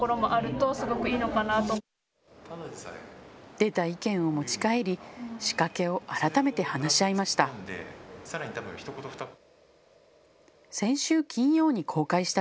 出た意見を持ち帰り仕掛けを改めて話し合いました。